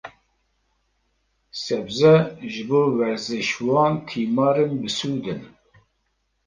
Sebze, ji bo werzîşvan tîmarên bisûd in.